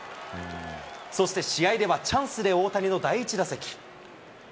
そして試合ではチャンスで大谷の第１打席。